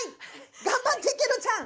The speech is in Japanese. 頑張ってケロちゃん！